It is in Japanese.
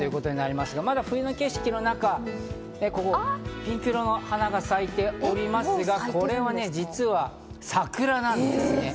まだ冬の景色の中、ここ、ピンク色の花が咲いておりますが、これはね、実は桜なんです。